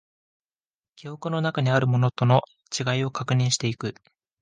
記憶の中にあるものとの違いを確認していく